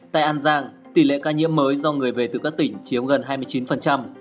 tại an giang tỷ lệ ca nhiễm mới do người về từ các tỉnh chiếm gần hai mươi chín